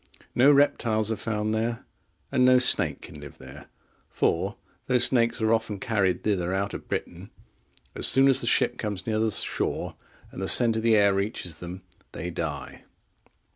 No reptiles are found there, and no snake can live there; for, though snakes are often carried thither out of Britain, as soon as the ship comes near the shore, and the scent of the air reaches them, they die.